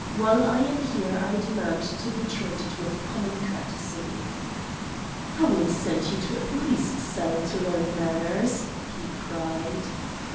While I am here I demand to be treated with common courtesy." "I will send you to a police cell to learn manners," he cried.